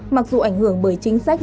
mặc dù ảnh hưởng bởi chính sách